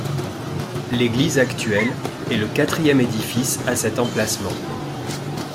L'église actuelle est le quatrième édifice à cet emplacement.